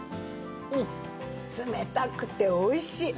冷たくておいしい！